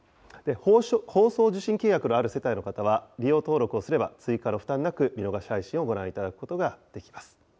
放送受信契約のある世帯の方は利用登録すれば、追加の負担なく見逃し配信をご覧いただくことができます。